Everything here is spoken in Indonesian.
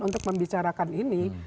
untuk membicarakan ini